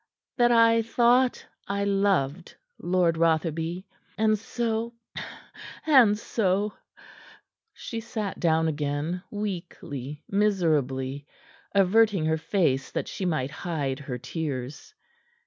that I thought I loved Lord Rotherby. And so and so " She sat down again, weakly, miserably, averting her face that she might hide her tears.